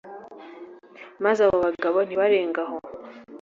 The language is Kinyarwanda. maze abo bagabo ntibarenga aho.